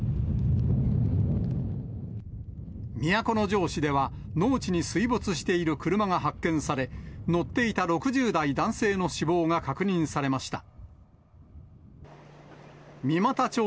都城市では、農地に水没している車が発見され、乗っていた６０代男性の死亡が確認されました。